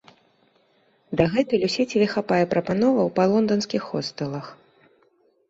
Дагэтуль у сеціве хапае прапановаў па лонданскіх хостэлах.